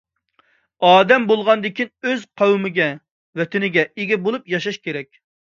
ئادەم بولغاندىكىن ئۆز قوۋمىغا، ۋەتىنىگە ئىگە بولۇپ ياشاش كېرەك.